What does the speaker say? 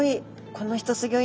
この人すギョいな